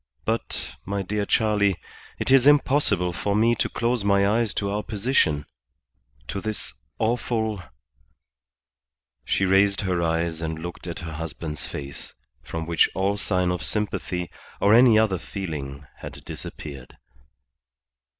"But, my dear Charley, it is impossible for me to close my eyes to our position; to this awful ..." She raised her eyes and looked at her husband's face, from which all sign of sympathy or any other feeling had disappeared.